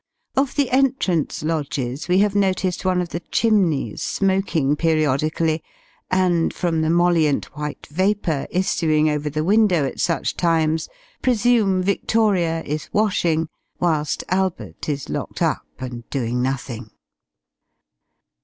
Of the entrance lodges, we have noticed one of the chimneys smoking periodically; and, from the mollient white vapour issuing over the window at such times, presume Victoria is washing, whilst Albert is locked up and doing nothing.